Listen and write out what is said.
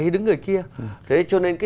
hay đứng về người kia thế cho nên cái